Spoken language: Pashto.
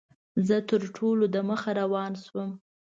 زه تر ټولو دمخه روان شوم.